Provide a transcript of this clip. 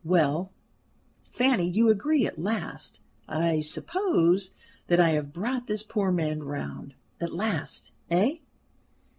Well, Fanny, you agree at last, I suppose, that I have brought this poor man round? At last, eh?"